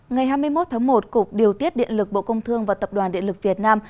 ngày hai mươi một tháng một cục điều tiết điện lực bộ công thương và tập đoàn điện lực việt nam